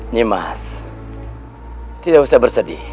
nimas tidak usah bersedih